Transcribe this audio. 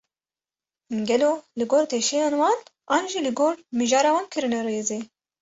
Gelo li gor teşeyên wan, an jî li gor mijara wan kirine rêzê?